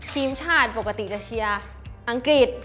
ทีมชาติปกติจะเชียร์อังกฤษ